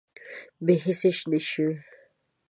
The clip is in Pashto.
بې حسۍ شنې شوې